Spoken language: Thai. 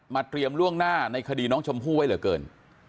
เตรียมล่วงหน้าในคดีน้องชมพู่ไว้เหลือเกิน